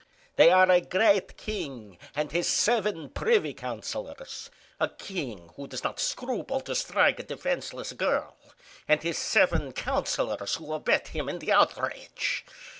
They are a great king and his seven privy councillors,—a king who does not scruple to strike a defenceless girl and his seven councillors who abet him in the outrage.